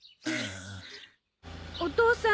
お義父さん